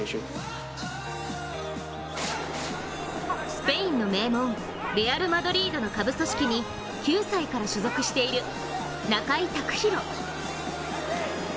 スペインの名門レアル・マドリードの下部組織に９歳から所属している中井卓大。